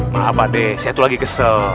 maaf pak deh saya tuh lagi kesel